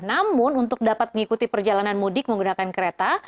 namun untuk dapat mengikuti perjalanan mudik menggunakan kereta